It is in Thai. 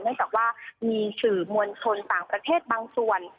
จากว่ามีสื่อมวลชนต่างประเทศบางส่วน